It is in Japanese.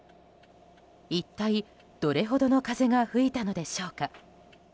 一体どれほどの風が吹いたのでしょうか。